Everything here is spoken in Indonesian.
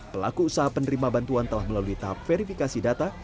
pelaku usaha penerima bantuan telah melalui tahap verifikasi data